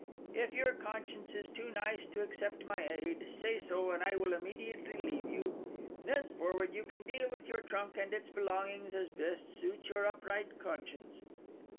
If your conscience is too nice to accept my aid, say so, and I will immediately leave you. Thenceforward you can deal with your trunk and its belongings as best suits your upright conscience."